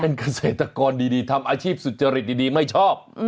เป็นเกษตรกรดีทำอาชีพสุจริตดีไม่ชอบ